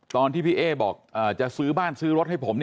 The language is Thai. ตอนที่พี่เอ๊บอกจะซื้อบ้านซื้อรถให้ผม